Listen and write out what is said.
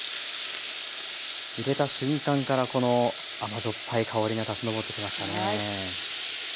入れた瞬間からこの甘塩っぱい香りが立ち上ってきましたね。